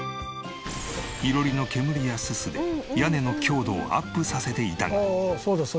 囲炉裏の煙やススで屋根の強度をアップさせていたが。